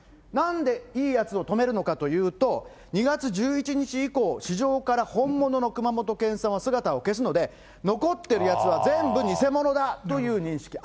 なんで、いいやつを止めるのかというと、２月１１日以降、市場から本物の熊本県産は姿を消すので、残ってるやつは全部偽物だという認識。